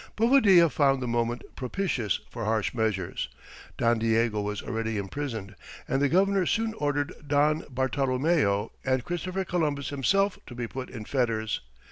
Bovadilla found the moment propitious for harsh measures. Don Diego was already imprisoned, and the governor soon ordered Don Bartolomeo and Christopher Columbus himself to be put in fetters.